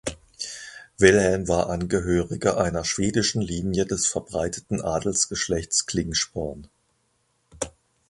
Wilhelm war Angehöriger einer schwedischen Linie des verbreiteten Adelsgeschlechts Klingsporn.